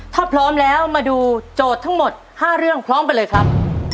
ถ้าพร้อมแล้วมาดูโจทย์ทั้งหมด๕เรื่องพร้อมกันเลยครับ